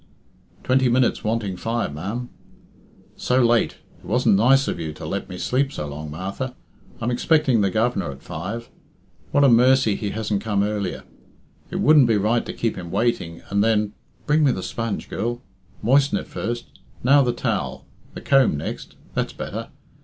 "Twenty minutes wanting five, ma'am." "So late! It wasn't nice of you to let me sleep so long, Martha. I'm expecting the Governor at five. What a mercy he hasn't come earlier. It wouldn't be right to keep him waiting, and then bring me the sponge, girl. Moisten it first. Now the towel. The comb next. That's better.